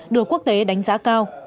được quốc tế đánh giá cao